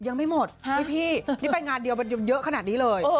ยังไม่หมดเฮ้ยพี่นี่ไปงานเดียวเยอะขนาดนี้เลย